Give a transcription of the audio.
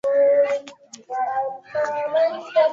Hutokea pia wachache wao wakawa ni watumishi wa Serikali zetu